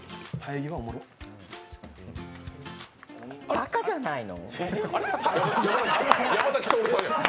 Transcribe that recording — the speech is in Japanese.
ばかじゃないの？